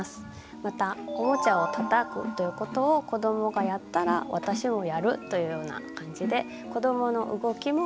またおもちゃをたたくということを子どもがやったら私もやるというような感じで子どもの動きもまねをしています。